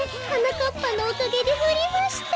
かっぱのおかげでふりました！